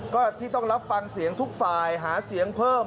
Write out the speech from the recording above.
ก็ที่ต้องรับฟังเสียงทุกฝ่ายหาเสียงเพิ่ม